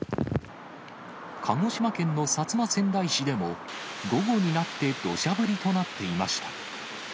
鹿児島県の薩摩川内市でも、午後になってどしゃ降りとなっていました。